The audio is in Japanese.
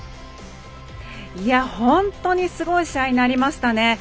本当にすごい試合になりましたね。